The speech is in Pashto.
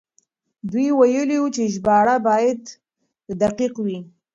دوی ويلي وو چې ژباړه بايد دقيق وي.